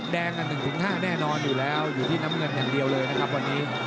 แดงกัน๑๕แน่นอนอยู่แล้วอยู่ที่น้ำเงินอย่างเดียวเลยนะครับวันนี้